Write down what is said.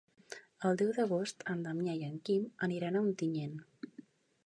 El deu d'agost en Damià i en Quim aniran a Ontinyent.